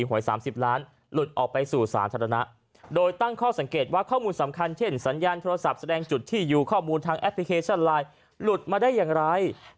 หวย๓๐ล้านหลุดออกไปสู่สาธารณะโดยตั้งข้อสังเกตว่าข้อมูลสำคัญเช่นสัญญาณโทรศัพท์แสดงจุดที่อยู่ข้อมูลทางแอปพลิเคชันไลน์หลุดมาได้อย่างไร